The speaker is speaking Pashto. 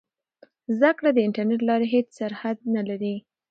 زده کړه د انټرنیټ له لارې هېڅ سرحد نه لري.